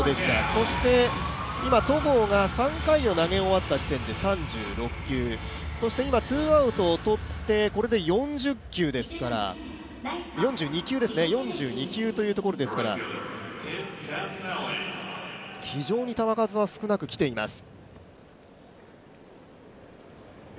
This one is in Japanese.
そして、今、戸郷が３回を投げ終わった時点で３６球そして今、ツーアウトをとって、これで４２球というところですから非常に球数は少なく来ています。